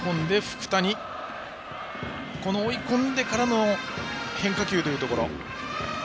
追い込んでからの変化球というところ、福谷。